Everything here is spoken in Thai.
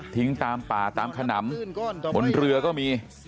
ตามป่าตามขนำบนเรือก็มี